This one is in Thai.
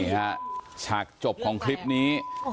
นี่ค่ะฉากจบของคลิปนี้